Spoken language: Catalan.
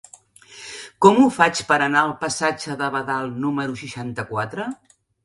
Com ho faig per anar al passatge de Badal número seixanta-quatre?